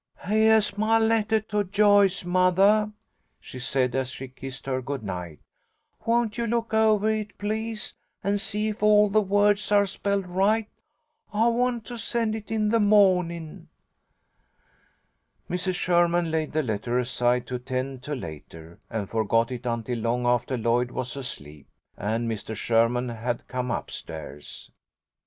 "Heah is my lettah to Joyce, mothah," she said, as she kissed her good night. "Won't you look ovah it, please, and see if all the words are spelled right? I want to send it in the mawnin." Mrs. Sherman laid the letter aside to attend to later, and forgot it until long after Lloyd was asleep, and Mr. Sherman had come up stairs.